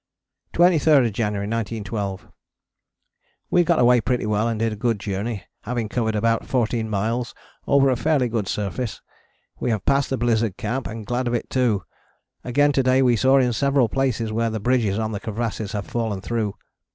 23rd January 1912. We got away pretty well and did a good journey, having covered about 14 miles over a fairly good surface. We have passed the Blizzard Camp and glad of it too, again to day we saw in several places where the bridges on the crevasses had fallen through.